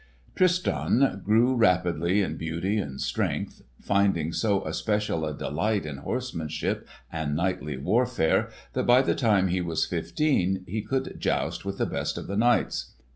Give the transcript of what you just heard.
Tristan grew rapidly in beauty and strength, finding so especial a delight in horsemanship and knightly warfare, that by the time he was fifteen he could joust with the best of the knights.